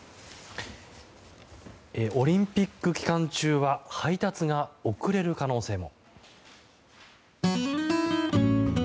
オリンピック期間中は配達が遅れる可能性も。